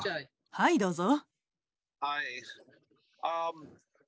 はいどうぞ。